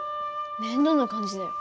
面倒な感じだよ。